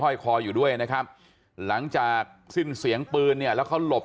คอยคออยู่ด้วยนะครับหลังจากสิ้นเสียงปืนเนี่ยแล้วเขาหลบ